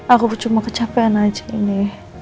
aku cuma kecapean aja ini